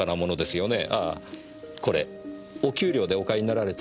ああこれお給料でお買いになられた？